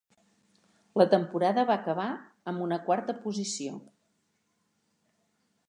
La temporada va acabar amb una quarta posició.